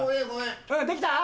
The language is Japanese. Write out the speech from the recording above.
できた？